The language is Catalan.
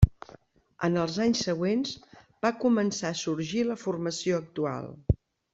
En els anys següents va començar a sorgir la formació actual.